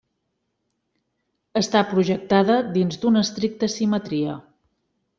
Està projectada dins d'una estricta simetria.